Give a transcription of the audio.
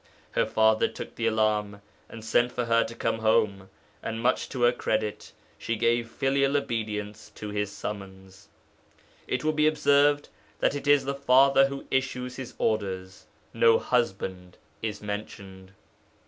Her father took the alarm and sent for her to come home, and, much to her credit, she gave filial obedience to his summons. It will be observed that it is the father who issues his orders; no husband is mentioned.